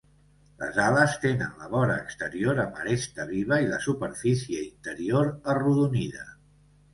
Les ales tenen la vora exterior amb aresta viva i la superfície interior arrodonida.